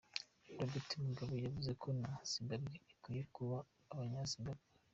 Robert Mugabe yavuze ko na Zimbabwe ikwiye kuba iyo abanya Zimbabwe.